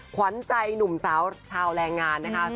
ขวัญใจหนุ่มสาวชาวแรงงานนะคะ